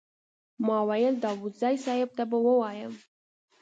ما ویل داوودزي صیب ته به ووایم.